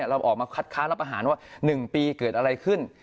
เราออกมาคัดค้านรับอาหารว่า๑ปีเกิดอะไรขึ้น